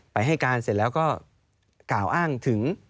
ให้การเสร็จแล้วก็กล่าวอ้างถึง